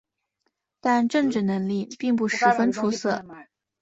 但政治能力并不十分出色。